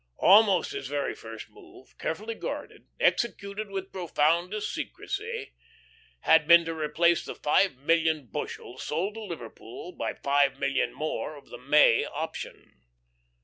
Almost his very first move, carefully guarded, executed with profoundest secrecy, had been to replace the five million bushels sold to Liverpool by five million more of the May option.